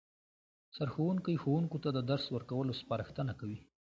سرښوونکی ښوونکو ته د درس ورکولو سپارښتنه کوي